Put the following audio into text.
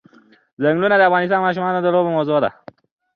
ځنګلونه د افغان ماشومانو د لوبو موضوع ده.